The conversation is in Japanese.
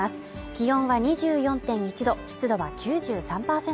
気温は２４．１度、湿度は９３％